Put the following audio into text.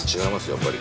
やっぱり。